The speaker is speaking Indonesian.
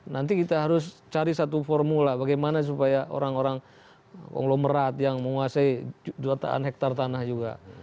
nanti kita harus cari satu formula bagaimana supaya orang orang konglomerat yang menguasai jutaan hektare tanah juga